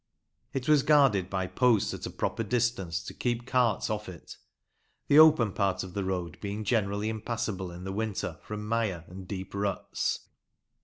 It was guarded by posts at a proper distance to keep carts off it, the open part of the road being generally impassable in the winter from mire and deep ruts.